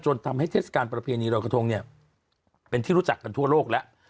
ทำให้เทศกาลประเพณีรอยกระทงเนี่ยเป็นที่รู้จักกันทั่วโลกแล้ว